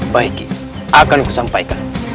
baik akan kusampaikan